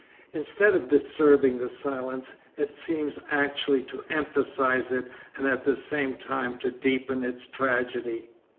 Instead of disturbing the silence, it seems actually to emphasise it and at the same time to deepen its tragedy.